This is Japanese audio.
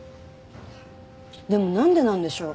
でもなんでなんでしょう？